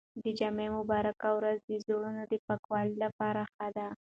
د جمعې مبارکه ورځ د زړونو د پاکوالي لپاره ښه ده.